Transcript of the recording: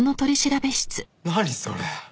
何それ。